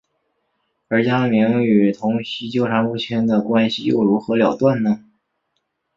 而家明与童昕纠缠不清的关系又如何了断呢？